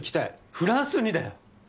フランスにだよ！